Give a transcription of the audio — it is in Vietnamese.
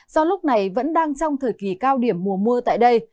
do lúc này vẫn đang trong thời kỳ cao điểm mùa mưa tại đây